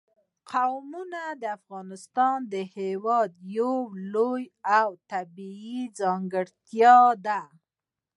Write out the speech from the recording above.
قومونه د افغانستان هېواد یوه لویه او طبیعي ځانګړتیا ده.